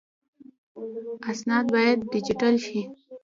اسناد باید ډیجیټل شي